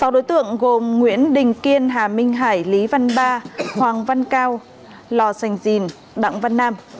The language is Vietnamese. sáu đối tượng gồm nguyễn đình kiên hà minh hải lý văn ba hoàng văn cao lò sành dìn đặng văn nam